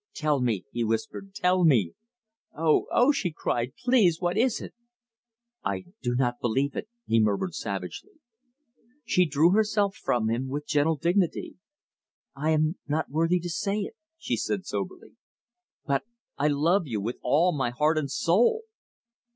"Tell me!" he whispered. "Tell me!" "Oh! Oh!" she cried. "Please! What is it?" "I do not believe it," he murmured savagely. She drew herself from him with gentle dignity. "I am not worthy to say it," she said soberly, "but I love you with all my heart and soul!"